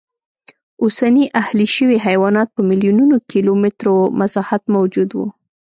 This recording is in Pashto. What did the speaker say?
اوسني اهلي شوي حیوانات په میلیونونو کیلومترو مساحت موجود و